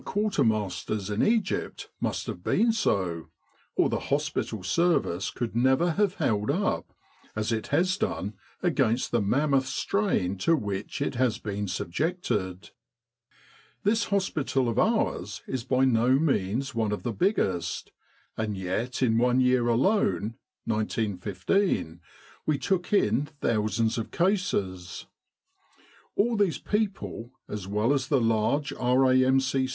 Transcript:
A.M.C. in Egypt quartermasters in Egypt must have been so, or the hospital service could never have held up, as it has done, against the mammoth strain to which it has been subjected. "This hospital of ours is by no means one of the biggest, and yet in 'one year alone, 1915, we took in thousands of cases. All these people as well as the large R.A.M.C.